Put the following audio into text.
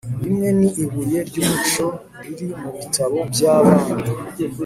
Bimwe ni ibuye ryumuco riri mubitabo byabana